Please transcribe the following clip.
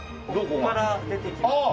ここから出てきますよ